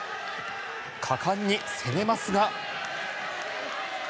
果敢に攻めますが。